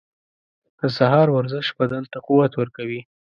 • د سهار ورزش بدن ته قوت ورکوي.